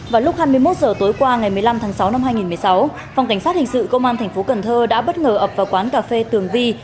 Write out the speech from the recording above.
vào lúc hai mươi một h tối qua ngày một mươi năm tháng sáu năm hai nghìn một mươi sáu phòng cảnh sát hình sự công an tp cn đã bất ngờ ập vào quán cà phê tường vi